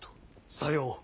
さよう。